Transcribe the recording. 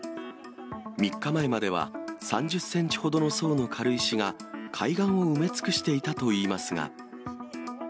３日前までは３０センチほどの層の軽石が、海岸を埋め尽くしていたといいますが。